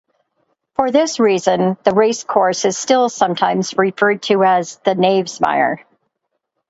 For this reason, the racecourse is still sometimes referred to as "The Knavesmire".